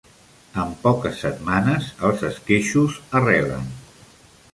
En poques setmanes, els esqueixos arrelen.